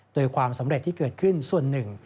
โดยความสำเร็จที่เกิดขึ้นส่วนหนึ่ง